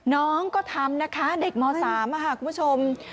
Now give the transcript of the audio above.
น้องก็ทำนะคะเด็กม๓ค่ะคุณผู้ชม